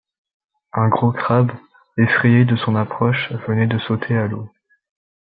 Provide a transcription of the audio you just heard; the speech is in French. Un gros crabe, effrayé de son approche, venait de sauter à l’eau.